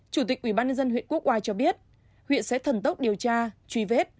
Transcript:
chủ tịch ubnd huyện quốc oai cho biết huyện sẽ thần tốc điều tra truy vết